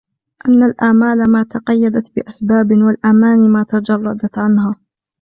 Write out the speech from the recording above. أَنَّ الْآمَالَ مَا تَقَيَّدَتْ بِأَسْبَابٍ ، وَالْأَمَانِيَ مَا تَجَرَّدَتْ عَنْهَا